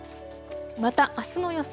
またあすの予想